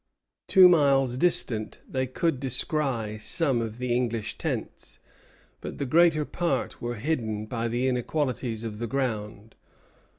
Two miles distant, they could descry some of the English tents; but the greater part were hidden by the inequalities of the ground.